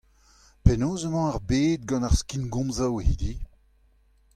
Penaos ʼmañ ar bed gant ar skingomzoù hiziv ?